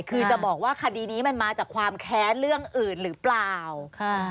คือจะบอกว่าคดีนี้มันมาจากความแค้นเรื่องอื่นหรือเปล่าค่ะ